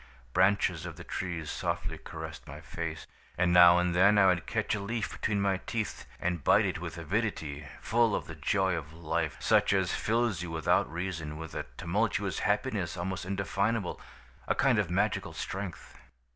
Branches of the trees softly caressed my face, and now and then I would catch a leaf between my teeth and bite it with avidity, full of the joy of life, such as fills you without reason, with a tumultuous happiness almost indefinable, a kind of magical strength.